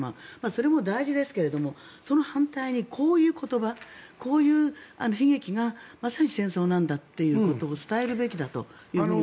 それも大事ですけれどもその反対にこういう言葉こういう悲劇がまさに戦争なんだっていうことを伝えるべきだと思います。